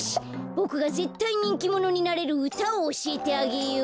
ぼくがぜったいにんきものになれるうたをおしえてあげよう！